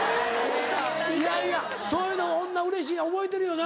いやいやそういうの女うれしい覚えてるよな。